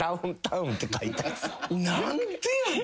何でやねん。